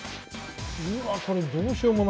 うわこれどうしようもないね